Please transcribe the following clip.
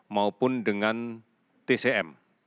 maupun dengan tcm